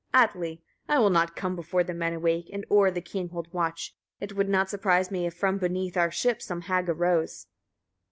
Atli. 23. I will not come before the men awake, and o'er the king hold watch. It would not surprise me, if from beneath our ship some hag arose.